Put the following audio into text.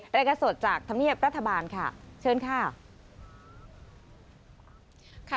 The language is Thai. รายงานสดจากธรรมเนียบรัฐบาลค่ะเชิญค่ะ